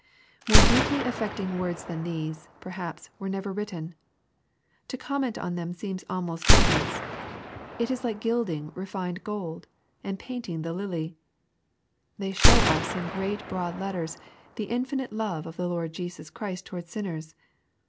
'' More deeply affecting words than these, perhaps, were never written. To comment on them seems almost need less. It is like gilding refined gold, and ^painting the lily, j /They show us in great broad letters the infinite love of • the Lord Jesus Christ towards sinners.